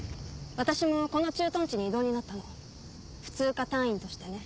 私もこの駐屯地に異動になったの普通科隊員としてね。